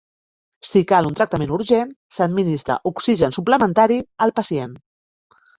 Si cal un tractament urgent, s"administra oxigen suplementari al pacient.